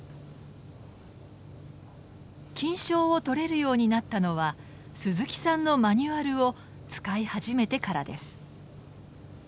金賞をとれるようになったのは鈴木さんのマニュアルを使い始めてからです。